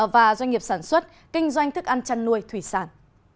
và doanh nghiệp sản xuất kinh doanh thức ăn chăn nuôi thủy sản